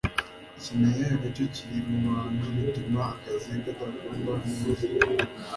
Ikimenyane nacyo kiri mubintu bituma akazi kadakorwa neza